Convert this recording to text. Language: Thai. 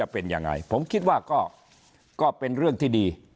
ผมคิดว่าก็เป็นเรื่องที่ดี